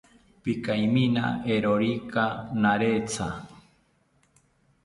Pikaimina eerokika naretya